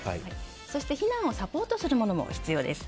そして避難をサポートするものも必要です。